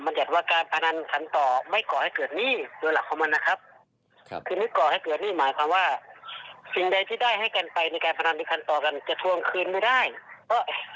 มันจัดว่าการพนันทันต่อไม่ก่อให้เกิดหนี้โดยหลักของมันนะครับ